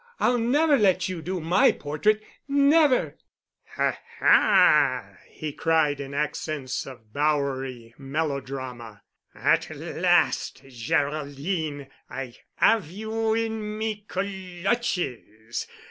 "I'll never let you do my portrait—never!" "Ha! ha!" he cried in accents of Bowery melodrama. "At last, Geraldine, I have you in me cul lutches.